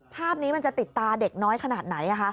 ภาพนี้มันจะติดตาเด็กน้อยขนาดไหน